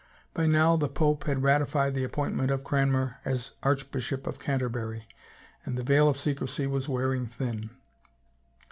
By now the pope had ratified the appointment of 250 THE LAST CARD Cranmer as Archbishop of Canterbury and the veil of secrecy was wearing thin.